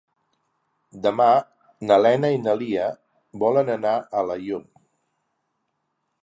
Demà na Lena i na Lia volen anar a Alaior.